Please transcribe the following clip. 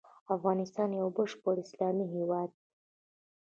افغانستان يو بشپړ اسلامي هيواد دی.